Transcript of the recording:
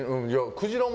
クジラも。